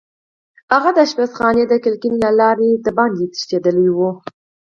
هغه د پخلنځي د کړکۍ له لارې بهر تښتېدلی و